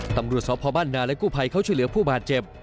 ตำรวจสพบ้านนาและกู้ภัยเขาช่วยเหลือผู้บาดเจ็บ